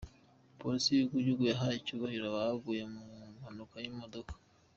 Polisi y’Igihugu yahaye icyubahiro abaguye mu mpanuka y’imodoka